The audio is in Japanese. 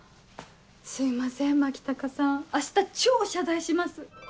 すいません牧高さん明日超謝罪します。